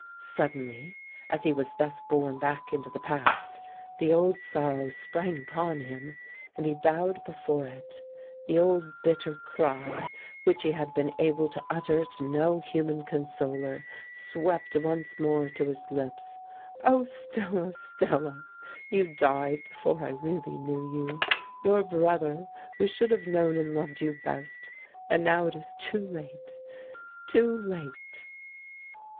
Suddenly, as he was thus borne back into the past, the old sorrow sprang upon him, and he bowed before it. The old bitter cry which he had been able to utter to no human consoler swept once more to his lips: "Oh, Stella, Stella, you died before I really knew you; your brother, who should have known and loved you best! And now it is too late, too late."